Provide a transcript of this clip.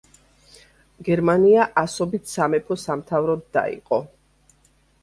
გერმანია ასობით სამეფო–სამთავროებად დაიყო.